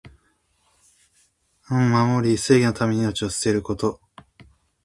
節操を守り、正義のために命を捨てること。